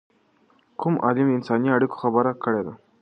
کوم عالم د انساني اړیکو خبره کړې ده؟